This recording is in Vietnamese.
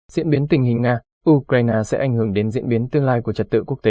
diễn biến tình hình nga ukraine sẽ ảnh hưởng đến diễn biến tương lai của trật tự quốc tế